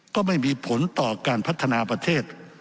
ก็ไม่มีผลต่อการพัฒนาประเทศ